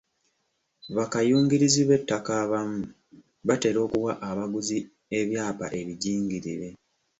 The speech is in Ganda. Bakayungirizi b'ettaka abamu batera okuwa abaguzi ebyapa ebijingirire.